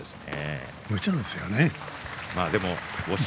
むちゃですよね。